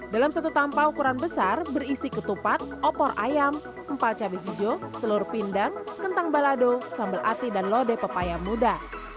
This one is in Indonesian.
dalam satu tampau ukuran besar berisi ketupat opor ayam empal cabai hijau telur pindang kentang balado sambal ati dan lodeh pepaya muda